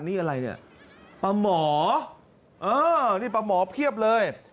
นี่อะไรเนี่ยปลาหมอเออนี่ปลาหมอเพียบเลย